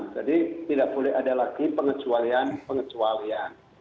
jadi tidak boleh ada lagi pengecualian pengecualian